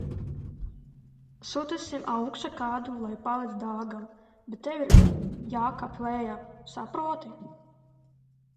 Sūtīsim augšā kādu, lai palīdz Dagam, bet tev irjākāpj lejā, saproti?